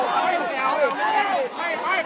ขอให้กัดเข้าไปนะครับ